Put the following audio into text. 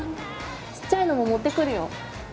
ちっちゃいのも持ってくるよ。